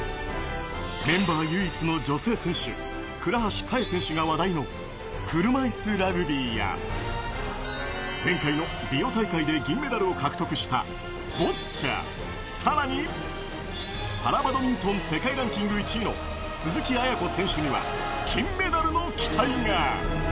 メンバー唯一の女性選手、倉橋香衣選手が話題の車いすラグビーや、前回のリオ大会で銀メダルを獲得したボッチャ、さらに、パラバドミントン世界ランク１位の鈴木亜弥子選手には金メダルの期待が。